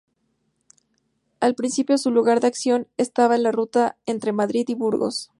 Al principio su lugar de acción estaba en la ruta entre Madrid y Burgos.